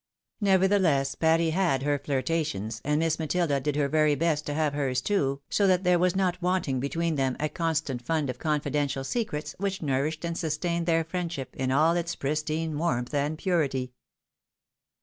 Nevertheless Patty had her fliriStion^, and Miss Matilda did her very best to have hers too, so that " there was not wanting between them a constant fund of confi dential secrets wliioh nourished and sustained their friendship in all its pristine warmth and purity.